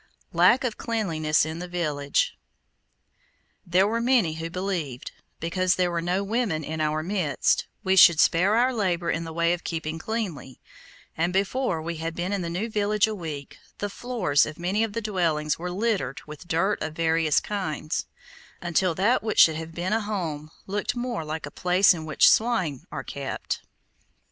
LACK OF CLEANLINESS IN THE VILLAGE There were many who believed, because there were no women in our midst, we should spare our labor in the way of keeping cleanly, and before we had been in the new village a week, the floors of many of the dwellings were littered with dirt of various kinds, until that which should have been a home, looked more like a place in which swine are kept.